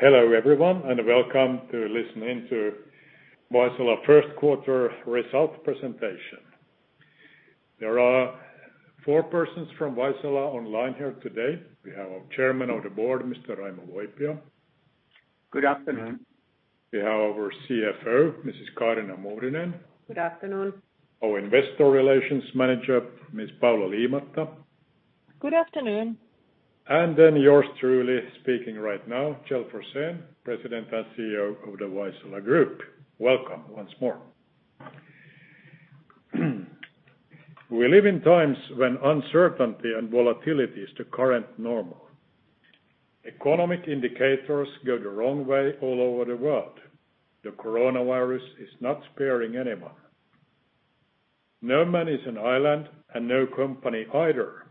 Hello, everyone, welcome to listening to Vaisala first quarter results presentation. There are four persons from Vaisala online here today. We have our Chairman of the Board, Mr. Raimo Voipio. Good afternoon. We have our CFO, Mrs. Kaarina Muurinen. Good afternoon. Our investor relations manager, Ms. Paula Liimatta. Good afternoon. Yours truly speaking right now, Kjell Forsén, President and CEO of the Vaisala Group. Welcome once more. We live in times when uncertainty and volatility is the current normal. Economic indicators go the wrong way all over the world. The coronavirus is not sparing anyone. No man is an island, and no company either.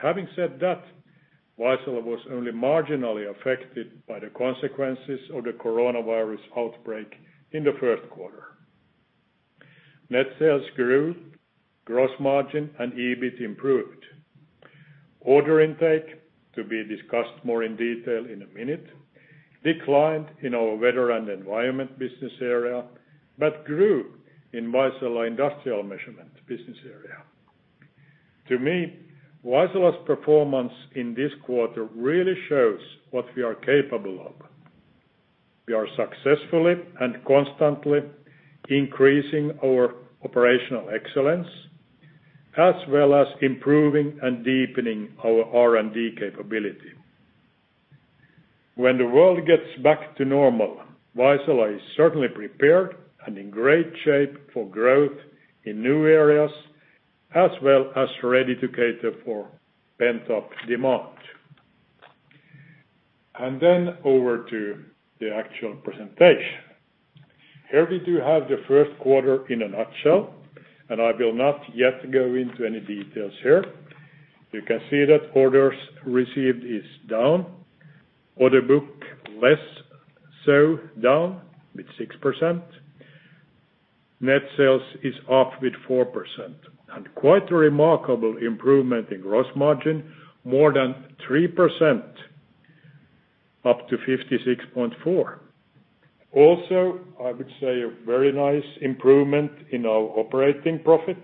Having said that, Vaisala was only marginally affected by the consequences of the coronavirus outbreak in the first quarter. Net sales grew, gross margin and EBIT improved. Order intake, to be discussed more in detail in a minute, declined in our weather and environment business area, but grew in Vaisala industrial measurements business area. To me, Vaisala's performance in this quarter really shows what we are capable of. We are successfully and constantly increasing our operational excellence, as well as improving and deepening our R&D capability. When the world gets back to normal, Vaisala is certainly prepared and in great shape for growth in new areas, as well as ready to cater for pent-up demand. Over to the actual presentation. Here we do have the first quarter in a nutshell, and I will not yet go into any details here. You can see that orders received is down, order book less so down, with 6%. Net sales is up with 4%, and quite a remarkable improvement in gross margin, more than 3% up to 56.4. Also, I would say a very nice improvement in our operating profit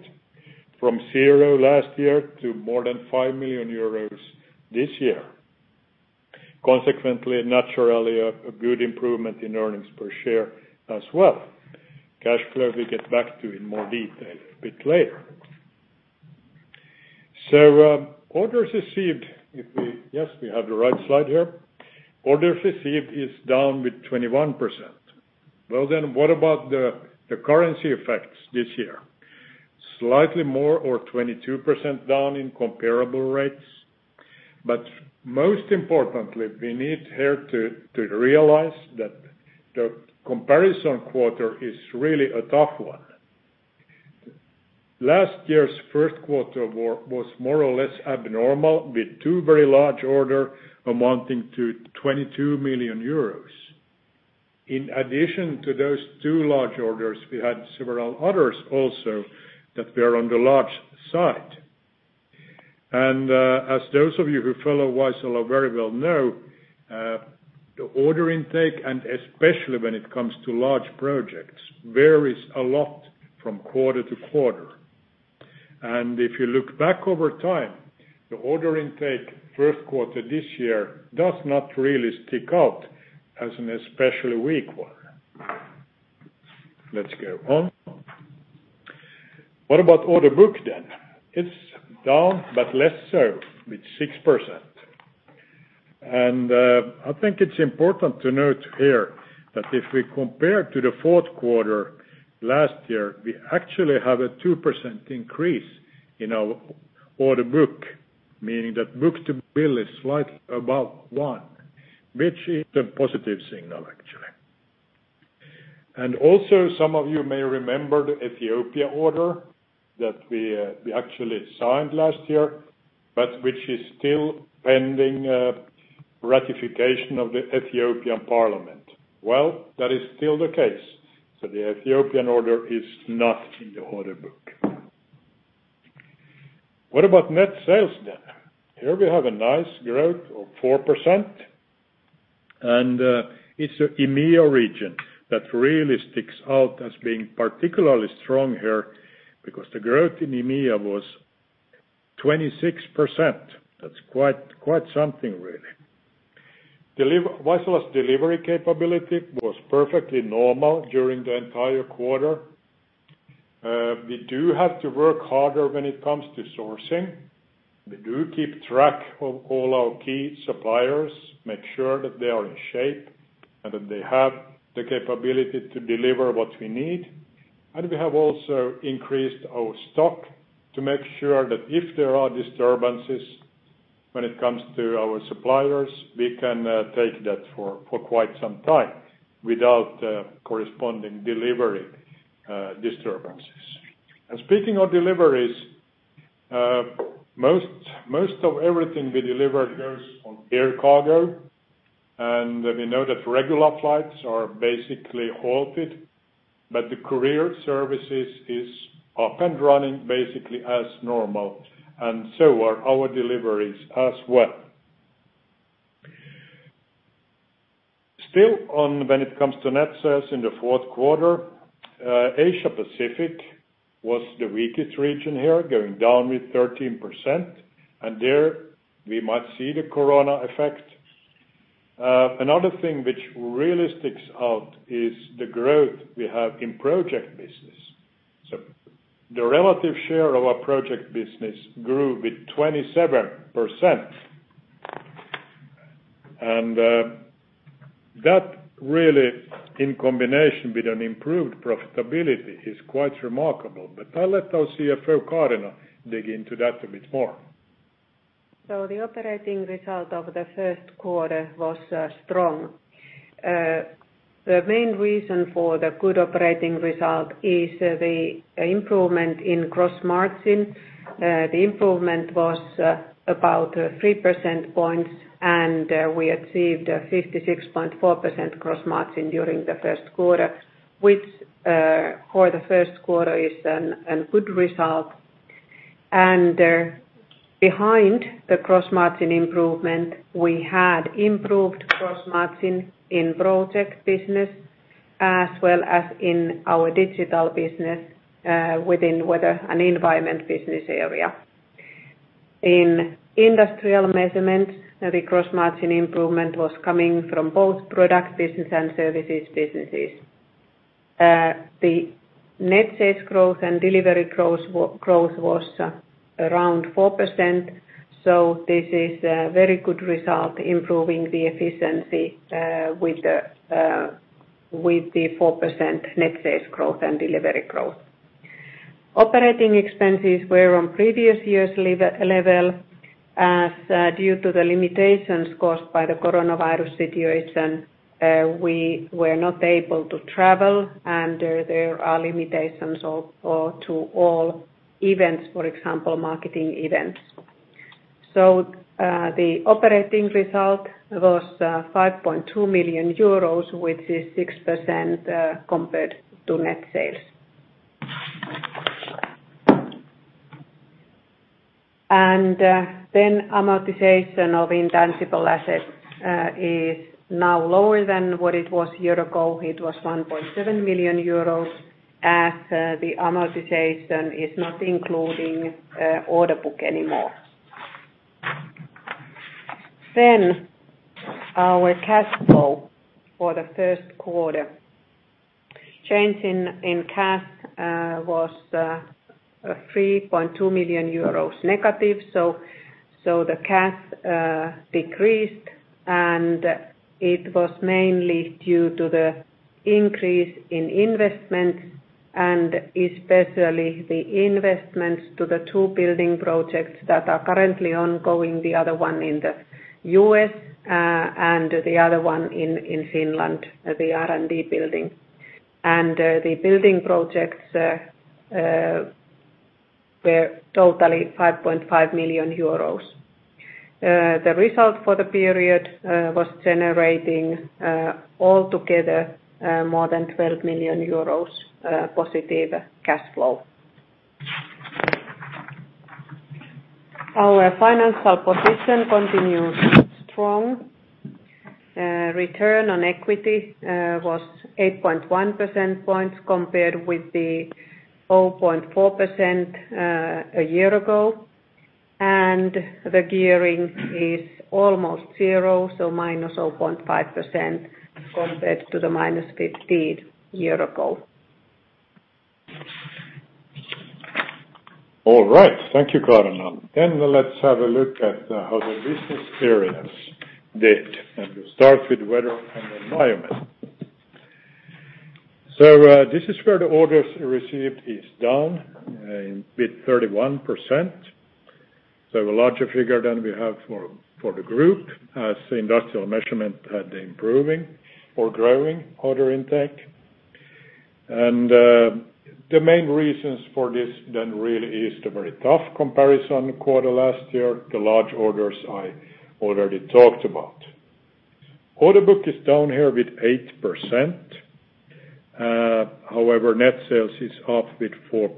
from zero last year to more than 5 million euros this year. Consequently, naturally, a good improvement in earnings per share as well. Cash flow we get back to in more detail a bit later. Orders received, we have the right slide here. Orders received is down with 21%. What about the currency effects this year? Slightly more or 22% down in comparable rates. Most importantly, we need here to realize that the comparison quarter is really a tough one. Last year's first quarter was more or less abnormal with two very large order amounting to 22 million euros. In addition to those two large orders, we had several others also that were on the large side. As those of you who follow Vaisala very well know, the order intake, and especially when it comes to large projects, varies a lot from quarter to quarter. If you look back over time, the order intake first quarter this year does not really stick out as an especially weak one. Let's go on. What about order book then? It's down, but less so, with 6%. I think it's important to note here that if we compare to the fourth quarter last year, we actually have a 2% increase in our order book, meaning that book-to-bill is slightly above one, which is a positive signal, actually. Some of you may remember the Ethiopia order that we actually signed last year, but which is still pending ratification of the Ethiopian Parliament. That is still the case. The Ethiopian order is not in the order book. What about net sales then? Here we have a nice growth of 4%, and it's the EMEA region that really sticks out as being particularly strong here, because the growth in EMEA was 26%. That's quite something, really. Vaisala's delivery capability was perfectly normal during the entire quarter. We do have to work harder when it comes to sourcing. We do keep track of all our key suppliers, make sure that they are in shape, and that they have the capability to deliver what we need. We have also increased our stock to make sure that if there are disturbances when it comes to our suppliers, we can take that for quite some time without corresponding delivery disturbances. Speaking of deliveries, most of everything we deliver goes on air cargo, and we know that regular flights are basically halted. The courier services is up and running basically as normal, and so are our deliveries as well. Still on when it comes to net sales in the fourth quarter, Asia-Pacific was the weakest region here, going down with 13%, and there we might see the Corona effect. Another thing which really sticks out is the growth we have in project business. The relative share of our project business grew with 27%. That really, in combination with an improved profitability, is quite remarkable. I'll let our CFO, Kaarina, dig into that a bit more. The operating result of the first quarter was strong. The main reason for the good operating result is the improvement in gross margin. The improvement was about three percentage points, and we achieved a 56.4% gross margin during the first quarter, which for the first quarter is a good result. Behind the gross margin improvement, we had improved gross margin in project business as well as in our digital business within Weather and Environment business area. In Industrial Measurements, the gross margin improvement was coming from both product business and services businesses. The net sales growth and delivery growth was around 4%, so this is a very good result, improving the efficiency with the 4% net sales growth and delivery growth. Operating expenses were on previous year's level, as due to the limitations caused by the coronavirus situation we were not able to travel and there are limitations to all events, for example, marketing events. The operating result was 5.2 million euros, which is 6% compared to net sales. Then amortization of intangible assets is now lower than what it was a year ago. It was 1.7 million euros as the amortization is not including order book anymore. Our cash flow for the first quarter. Change in cash was 3.2 million euros negative, so the cash decreased, it was mainly due to the increase in investments and especially the investments to the two building projects that are currently ongoing, the other one in the U.S. and the other one in Finland, the R&D building. The building projects were totally 5.5 million euros. The result for the period was generating altogether more than 12 million euros positive cash flow. Our financial position continues strong. Return on equity was 8.1% points compared with the 0.4% a year ago, and the gearing is almost zero, so -0.5% compared to the -15% a year ago. All right. Thank you, Kaarina. Let's have a look at how the business areas did, and we'll start with weather and environment. This is where the orders received is down with 31%. A larger figure than we have for the group, as industrial measurements had improving or growing order intake. The main reasons for this then really is the very tough comparison quarter last year, the large orders I already talked about. Order book is down here with 8%. However, net sales is up with 4%.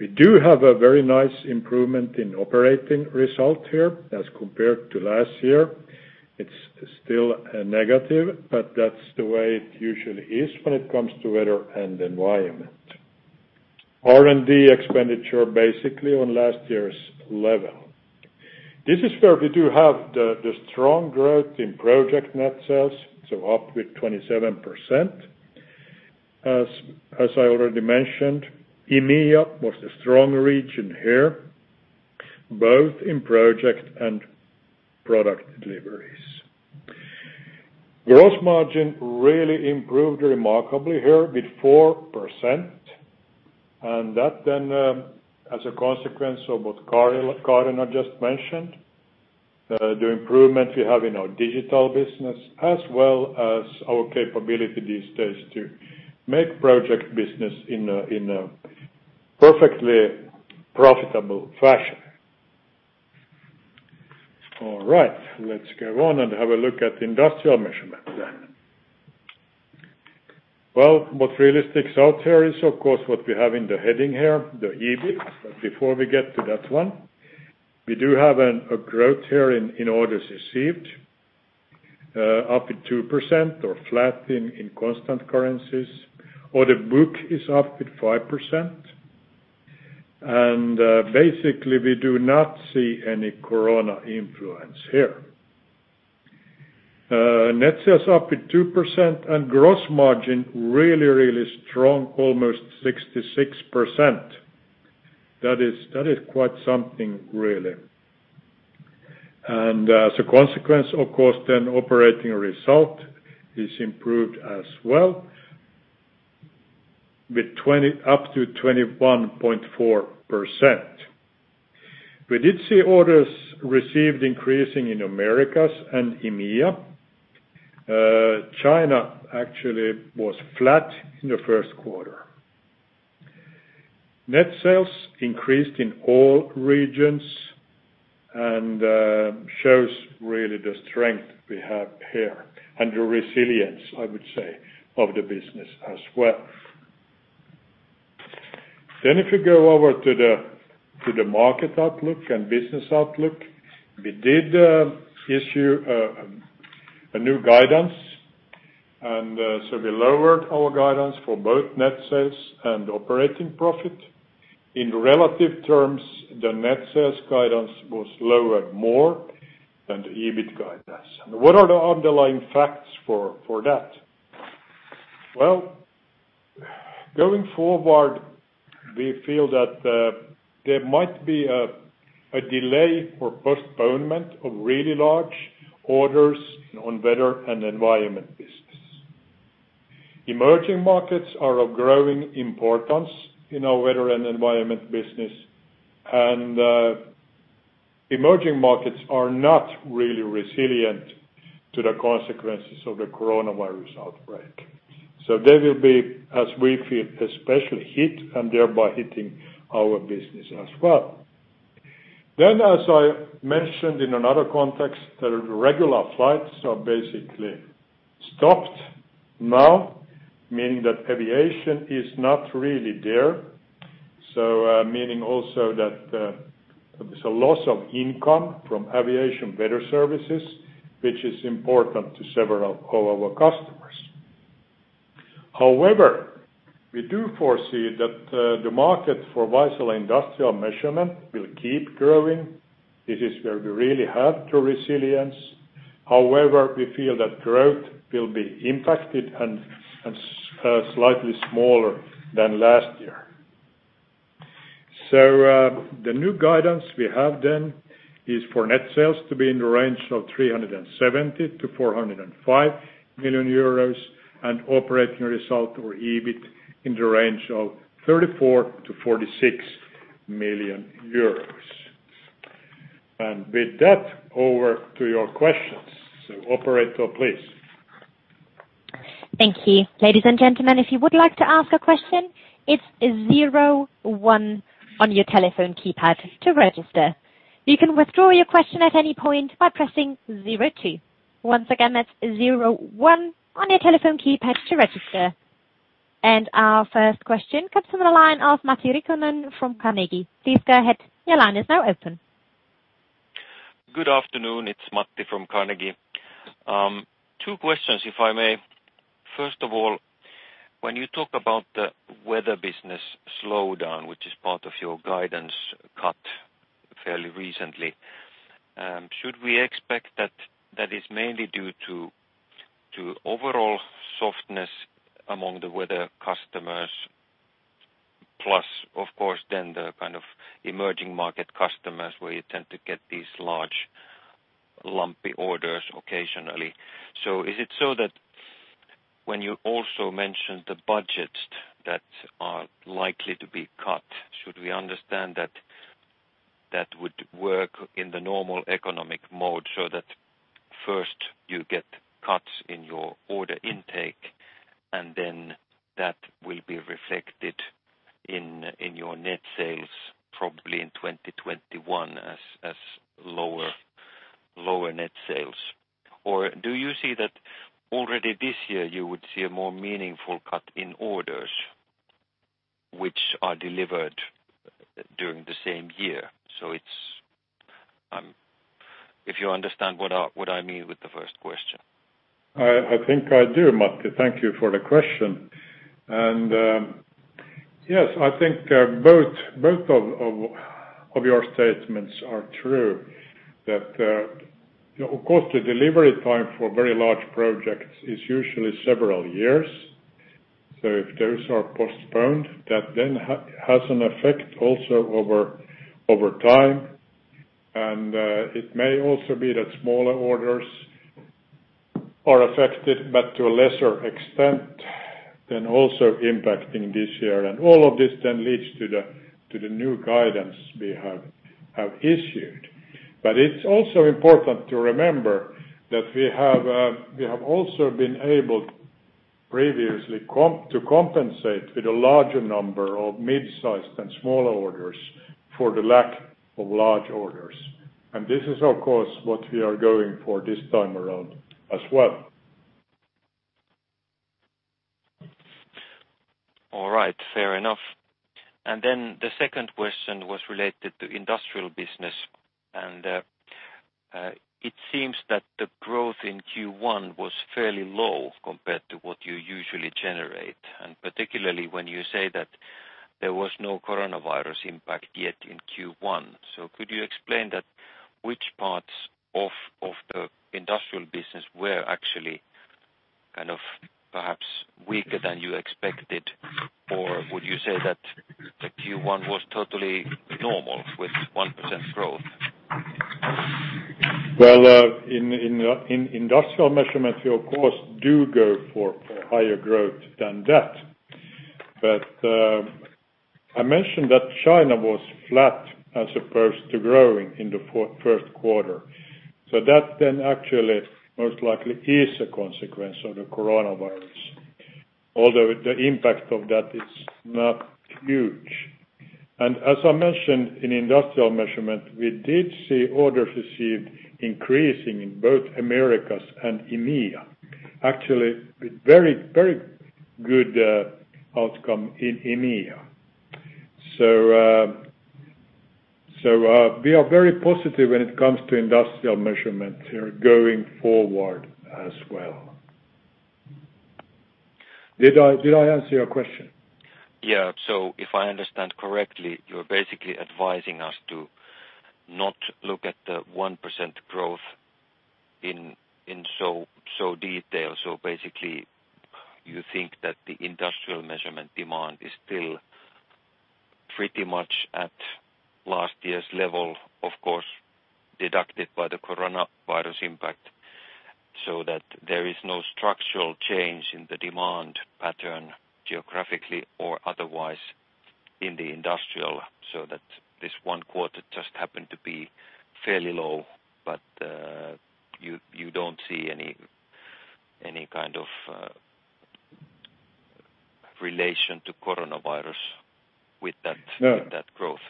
We do have a very nice improvement in operating result here as compared to last year. It's still a negative, but that's the way it usually is when it comes to weather and environment. R&D expenditure basically on last year's level. This is where we do have the strong growth in project net sales, so up with 27%. As I already mentioned, EMEA was a strong region here, both in project and product deliveries. That then as a consequence of what Kaarina just mentioned, the improvement we have in our digital business as well as our capability these days to make project business in a perfectly profitable fashion. All right, let's go on and have a look at industrial measurements then. Well, what really sticks out here is, of course, what we have in the heading here, the EBIT. Before we get to that one, we do have a growth here in orders received up at 2% or flat in constant currencies. Order book is up at 5%, and basically we do not see any corona influence here. Net sales up at 2% and gross margin really, really strong, almost 66%. That is quite something really. As a consequence, of course, then operating result is improved as well up to 21.4%. We did see orders received increasing in Americas and EMEA. China actually was flat in the first quarter. Net sales increased in all regions and shows really the strength we have here and the resilience, I would say, of the business as well. If we go over to the market outlook and business outlook, we did issue a new guidance we lowered our guidance for both net sales and operating profit. In relative terms, the net sales guidance was lowered more than the EBIT guidance. What are the underlying facts for that? Well, going forward, we feel that there might be a delay or postponement of really large orders on Weather and Environment business. Emerging markets are of growing importance in our weather and environment business. Emerging markets are not really resilient to the consequences of the coronavirus outbreak. They will be, as we feel, especially hit and thereby hitting our business as well. As I mentioned in another context, the regular flights are basically stopped now, meaning that aviation is not really there. Meaning also that there's a loss of income from aviation weather services, which is important to several of our customers. We do foresee that the market for Vaisala industrial measurements will keep growing. It is where we really have the resilience. We feel that growth will be impacted and slightly smaller than last year. The new guidance we have then is for net sales to be in the range of 370 million-405 million euros and operating result or EBIT in the range of 34 million-46 million euros. With that, over to your questions. Operator, please. Thank you. Ladies and gentlemen, if you would like to ask a question, it's zero one on your telephone keypad to register. You can withdraw your question at any point by pressing zero two. Once again, that's zero one on your telephone keypad to register. Our first question comes from the line of Matti Riikonen from Carnegie. Please go ahead. Your line is now open. Good afternoon. It's Matti from Carnegie. Two questions, if I may. First of all, when you talk about the weather business slowdown, which is part of your guidance cut fairly recently, should we expect that is mainly due to overall softness among the weather customers, plus, of course, then the kind of emerging market customers where you tend to get these large lumpy orders occasionally? Is it so that when you also mentioned the budgets that are likely to be cut, should we understand that that would work in the normal economic mode so that first you get cuts in your order intake, and then that will be reflected in your net sales probably in 2021 as lower net sales? Do you see that already this year you would see a more meaningful cut in orders which are delivered during the same year? If you understand what I mean with the first question. I think I do, Matti. Thank you for the question. Yes, I think both of your statements are true. Of course, the delivery time for very large projects is usually several years. If those are postponed, that then has an effect also over time. It may also be that smaller orders are affected, but to a lesser extent than also impacting this year. All of this then leads to the new guidance we have issued. It's also important to remember that we have also been able previously to compensate with a larger number of mid-sized and smaller orders for the lack of large orders. This is, of course, what we are going for this time around as well. All right. Fair enough. The second question was related to industrial measurements, and it seems that the growth in Q1 was fairly low compared to what you usually generate, and particularly when you say that there was no coronavirus impact yet in Q1. Could you explain that, which parts of the industrial measurements were actually perhaps weaker than you expected? Would you say that the Q1 was totally normal with 1% growth? Well, in industrial measurements, we of course, do go for higher growth than that. I mentioned that China was flat as opposed to growing in the first quarter. That then actually most likely is a consequence of the coronavirus. Although the impact of that is not huge. As I mentioned, in industrial measurements, we did see orders received increasing in both Americas and EMEA, actually a very good outcome in EMEA. We are very positive when it comes to industrial measurements here going forward as well. Did I answer your question? Yeah. If I understand correctly, you're basically advising us to not look at the 1% growth in so detail. Basically you think that the industrial measurements demand is still pretty much at last year's level, of course, deducted by the coronavirus impact, so that there is no structural change in the demand pattern, geographically or otherwise in the Industrial, so that this one quarter just happened to be fairly low, but you don't see any kind of relation to coronavirus with that growth.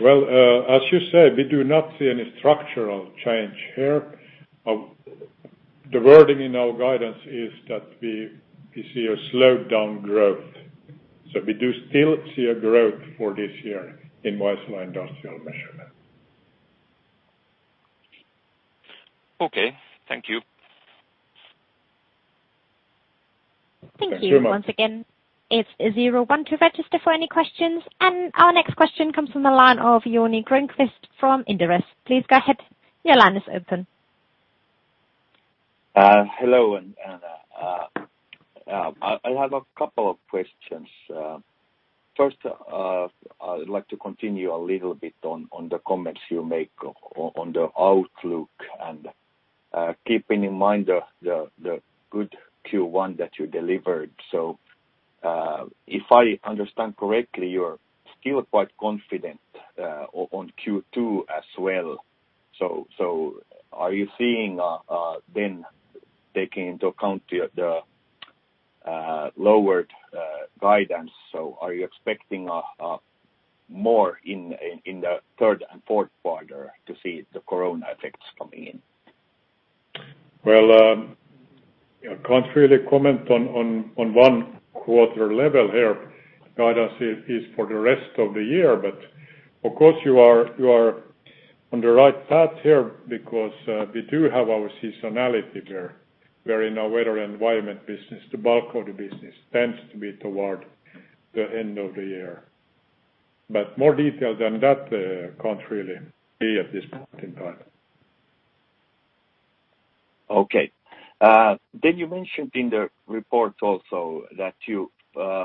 Well, as you say, we do not see any structural change here. The wording in our guidance is that we see a slowed down growth. We do still see a growth for this year in Vaisala industrial measurements. Okay. Thank you. Thank you. Thank you once again. It's zero one to register for any questions. Our next question comes from the line of Joni Grönqvist from Inderes. Please go ahead. Your line is open. Hello, I have a couple of questions. First I'd like to continue a little bit on the comments you make on the outlook and keeping in mind the good Q1 that you delivered. If I understand correctly, you're still quite confident on Q2 as well. Are you seeing then taking into account the lowered guidance? Are you expecting more in the third and fourth quarter to see the corona effects coming in? Well, I can't really comment on one quarter level here. Guidance is for the rest of the year. Of course you are on the right path here because we do have our seasonality there. We're in a Weather and Environment business. The bulk of the business tends to be toward the end of the year. More detail than that can't really be at this point in time. Okay. You mentioned in the report also that you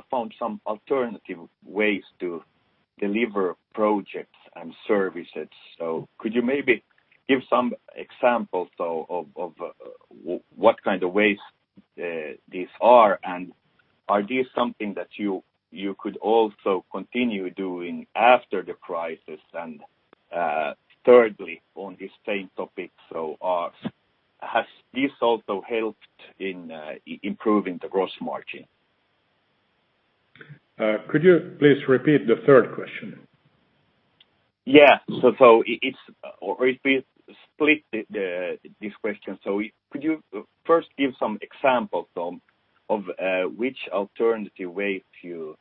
found some alternative ways to deliver projects and services. Could you maybe give some examples though of what kind of ways these are? Are these something that you could also continue doing after the crisis? Thirdly, on the same topic, has this also helped in improving the gross margin? Could you please repeat the third question? Yeah. If we split this question, could you first give some examples of which alternative ways you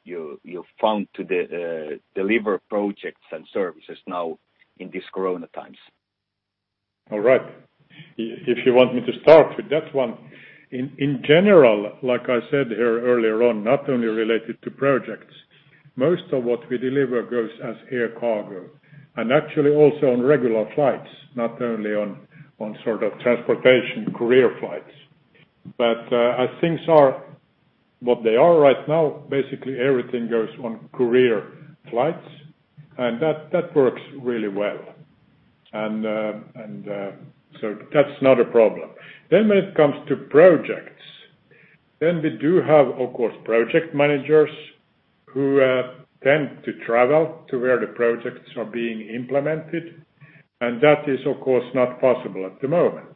found to deliver projects and services now in these corona times? All right. If you want me to start with that one. In general, like I said here earlier on, not only related to projects, most of what we deliver goes as air cargo and actually also on regular flights, not only on sort of transportation courier flights. As things are what they are right now, basically everything goes on courier flights, and that works really well. That's not a problem. When it comes to projects, then we do have, of course, project managers who tend to travel to where the projects are being implemented. That is, of course, not possible at the moment.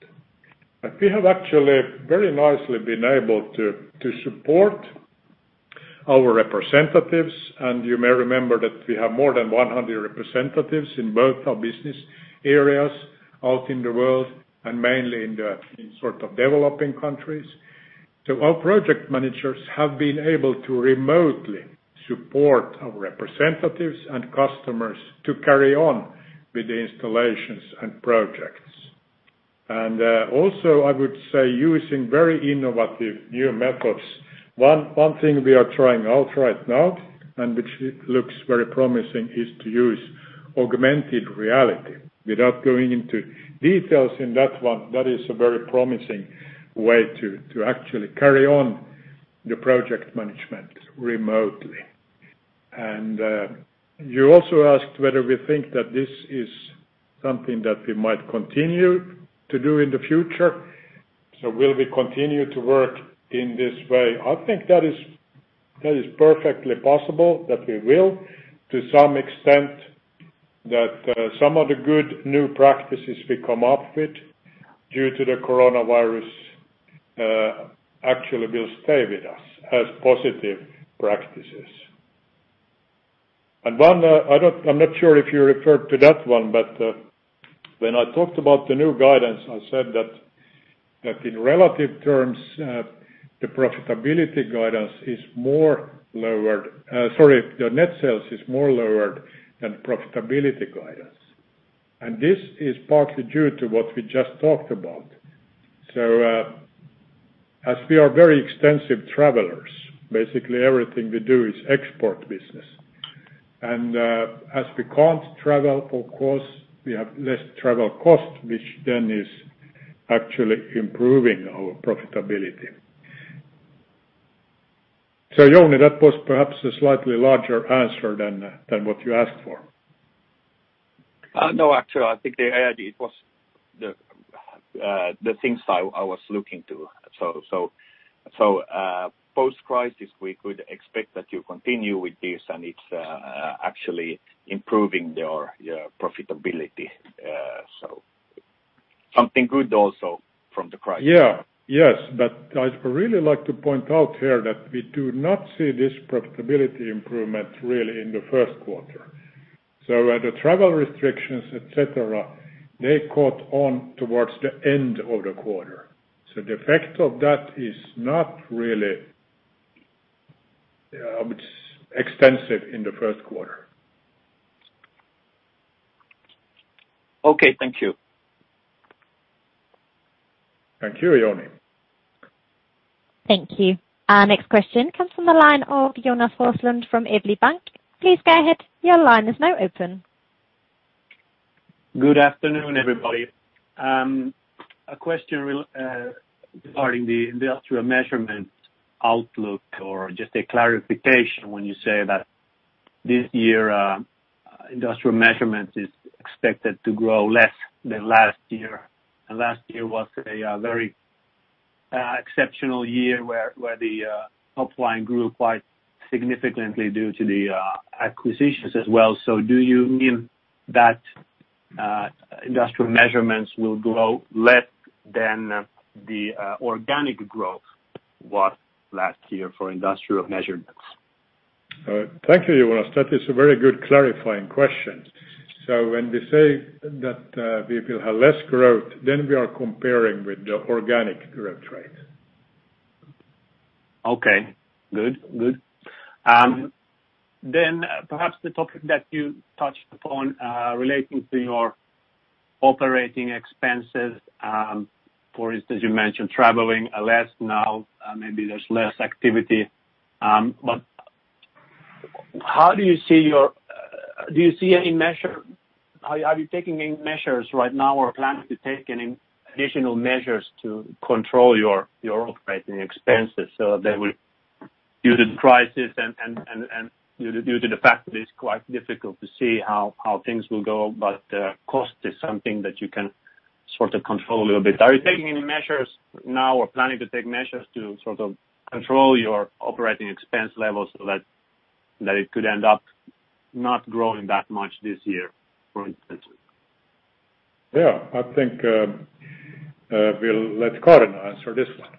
We have actually very nicely been able to support our representatives. You may remember that we have more than 100 representatives in both our business areas out in the world and mainly in developing countries. Our project managers have been able to remotely support our representatives and customers to carry on with the installations and projects. Also I would say using very innovative new methods. One thing we are trying out right now, and which looks very promising, is to use augmented reality. Without going into details in that one, that is a very promising way to actually carry on the project management remotely. You also asked whether we think that this is something that we might continue to do in the future. Will we continue to work in this way? I think that is perfectly possible that we will, to some extent, that some of the good new practices we come up with due to the coronavirus actually will stay with us as positive practices. One, I'm not sure if you referred to that one, but when I talked about the new guidance, I said that in relative terms the profitability guidance is more lowered, Sorry, the net sales is more lowered than profitability guidance. This is partly due to what we just talked about. As we are very extensive travelers, basically everything we do is export business. As we can't travel, of course, we have less travel cost, which then is actually improving our profitability. Joni, that was perhaps a slightly larger answer than what you asked for. No, actually, I think it was the things I was looking to. Post-crisis, we could expect that you continue with this and it's actually improving your profitability. Something good also from the crisis. Yeah. Yes. I'd really like to point out here that we do not see this profitability improvement really in the first quarter. The travel restrictions, et cetera, they caught on towards the end of the quarter. The effect of that is not really extensive in the first quarter. Okay, thank you. Thank you, Joni. Thank you. Our next question comes from the line of Jonas Forslund from AB Bank. Please go ahead. Your line is now open. Good afternoon, everybody. A question regarding the industrial measurements outlook or just a clarification when you say that this year industrial measurements is expected to grow less than last year. Last year was a very exceptional year where the top line grew quite significantly due to the acquisitions as well. Do you mean that industrial measurements will grow less than the organic growth was last year for industrial measurements? Thank you, Jonas. That is a very good clarifying question. When we say that we will have less growth, then we are comparing with the organic growth rate. Okay, good. Perhaps the topic that you touched upon relating to your operating expenses, for instance, you mentioned traveling less now, maybe there's less activity. Do you see any measure? Are you taking any measures right now or planning to take any additional measures to control your operating expenses so that during the crisis and due to the fact that it's quite difficult to see how things will go, but cost is something that you can sort of control a little bit. Are you taking any measures now or planning to take measures to sort of control your operating expense levels so that it could end up not growing that much this year, for instance? Yeah, I think we'll let Kaarina answer this one.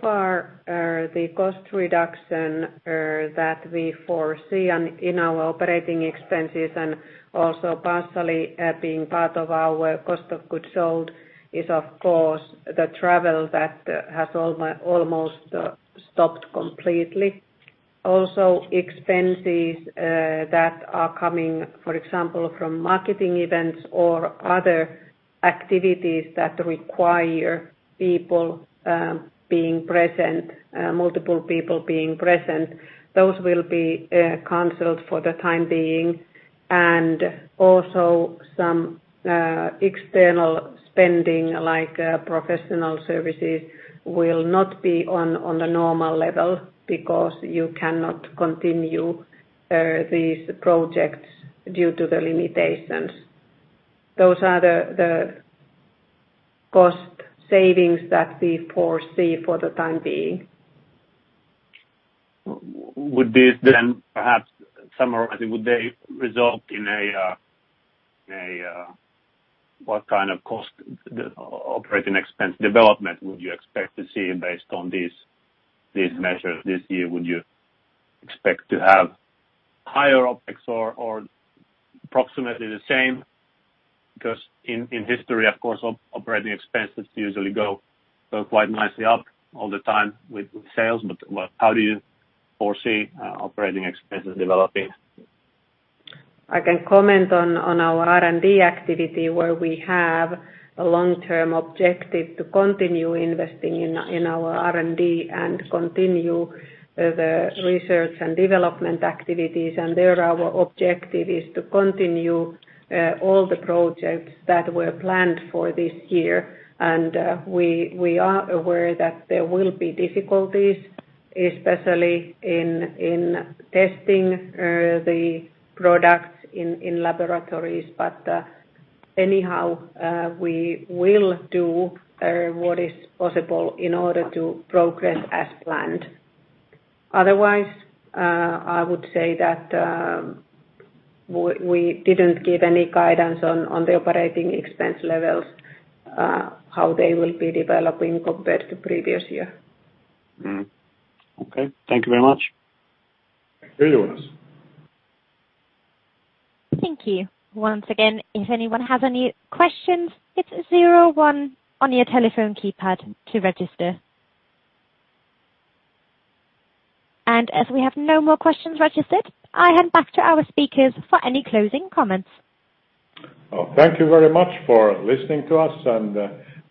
Far, the cost reduction that we foresee in our operating expenses and also partially being part of our cost of goods sold is, of course, the travel that has almost stopped completely. Expenses that are coming, for example, from marketing events or other activities that require people being present, multiple people being present, those will be canceled for the time being. Also some external spending, like professional services, will not be on the normal level because you cannot continue these projects due to the limitations. Those are the cost savings that we foresee for the time being. Would these then perhaps, summarizing, what kind of operating expense development would you expect to see based on these measures this year? Would you expect to have higher OpEx or approximately the same? Because in history, of course, operating expenses usually go quite nicely up all the time with sales. How do you foresee operating expenses developing? I can comment on our R&D activity, where we have a long-term objective to continue investing in our R&D and continue the research and development activities. There, our objective is to continue all the projects that were planned for this year. We are aware that there will be difficulties, especially in testing the products in laboratories. Anyhow, we will do what is possible in order to progress as planned. Otherwise, I would say that we didn't give any guidance on the operating expense levels, how they will be developing compared to previous year. Okay. Thank you very much. Thank you, Jonas. Thank you. Once again, if anyone has any questions, it's zero one on your telephone keypad to register. As we have no more questions registered, I hand back to our speakers for any closing comments. Thank you very much for listening to us and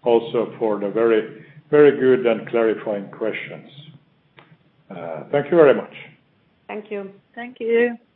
also for the very good and clarifying questions. Thank you very much. Thank you. Thank you.